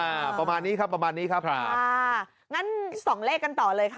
ประมาณนี้ครับประมาณนี้ครับครับค่ะงั้นส่องเลขกันต่อเลยค่ะ